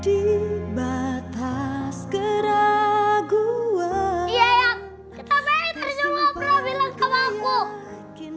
iya ayang kenapa yang tadi dulu gak pernah bilang sama aku